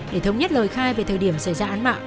để thống nhất lời khai về thời điểm xảy ra án mạng